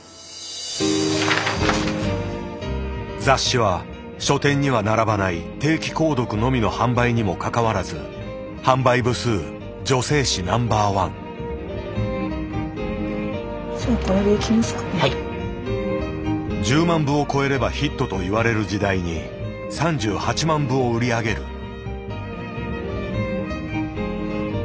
雑誌は書店には並ばない定期購読のみの販売にもかかわらず販売部数１０万部を超えればヒットといわれる時代に３８万部を売り上げる。